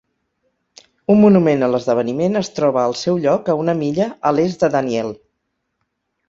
Un monument a l'esdeveniment es troba al seu lloc a una milla a l'est de Daniel.